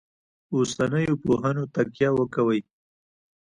اوسنیو پوهنو تکیه وکوي.